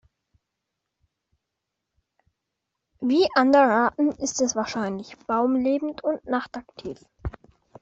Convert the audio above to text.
Wie andere Arten ist es wahrscheinlich baumlebend und nachtaktiv.